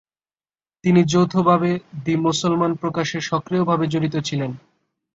তিনি যৌথভাবে দি মুসলমান প্রকাশে সক্রিয়ভাবে জড়িত ছিলেন।